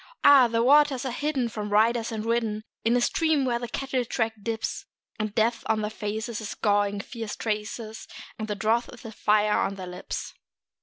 Ah! the waters are hidden from riders and ridden In a stream where the cattle track dips; And Death on their faces is scoring fierce traces, And the drouth is a fire on their lips.